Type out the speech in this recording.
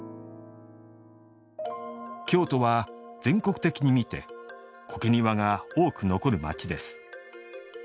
京都は、全国的に見て苔庭が多く残る町です。